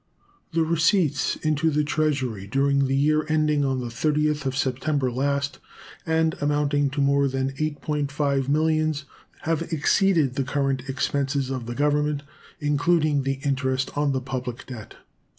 The receipts into the Treasury during the year ending on the 30th of September last (and amounting to more than $8.5 millions) have exceeded the current expenses of the Government, including the interest on the public debt.